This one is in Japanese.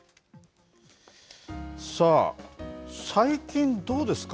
さあ、最近どうですか。